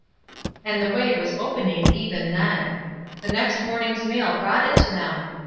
And the way was opening even then. The next morning's mail brought it to them.